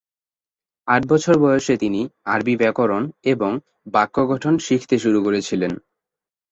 আট বছর বয়সে তিনি আরবি ব্যাকরণ এবং বাক্য গঠন শিখতে শুরু করেছিলেন।